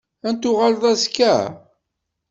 Ad n-tuɣaleḍ azekka?